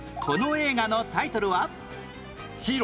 この映画のタイトルは？